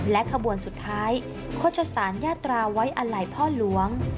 และขบวนสุดท้ายโฆษศาลญาตราไว้อลัยพ่อหลวง